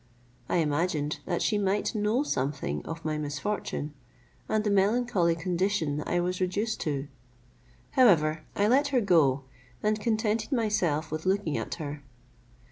I imagined that she might know something of my misfortune, and the melancholy condition I was reduced to: however, I let her go, and contented myself with looking at her.